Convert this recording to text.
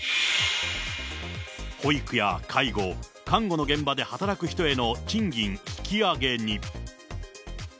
保育や介護、看護の現場で働く人への賃金引き上げに。